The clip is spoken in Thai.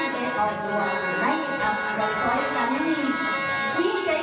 คนไหนโดนการมีใจพวกดูกันในเรื่องมัน